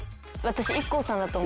私？